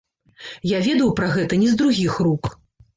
Я ведаў пра гэта не з другіх рук.